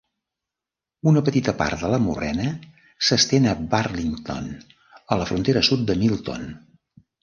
Una petita part de la morrena s'estén a Burlington, a la frontera sud de Milton.